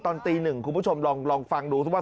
ตอนตีหนึ่งคุณผู้ชมลองฟังดูซิว่า